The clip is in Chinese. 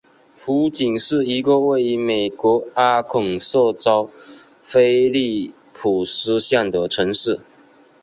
湖景是一个位于美国阿肯色州菲利普斯县的城市。